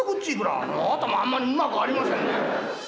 あなたもあんまりうまくありませんね。